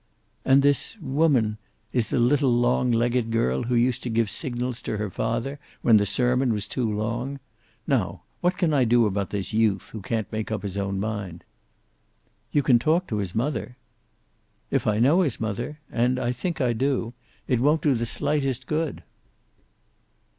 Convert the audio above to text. "And this woman is the little long legged girl who used to give signals to her father when the sermon was too long! Now what can I do about this youth who can't make up his own mind?" "You can talk to his mother." "If I know his mother ? and I think I do it won't do the slightest good."